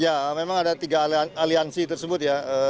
ya memang ada tiga aliansi tersebut ya